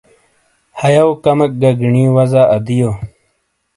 ہَیو کمیک گی گینی وزا ادیو۔